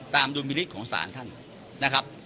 ตามดุมิลิตของศาลท่านนะครับ